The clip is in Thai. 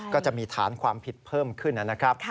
ก็จะมีฐานความผิดเพิ่มขึ้นนะครับ